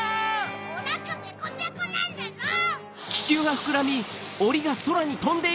おなかペコペコなんだゾウ！